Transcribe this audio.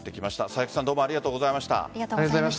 佐々木さんありがとうございました。